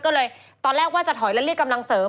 ก็เลยตอนแรกว่าจะถอยแล้วเรียกกำลังเสริม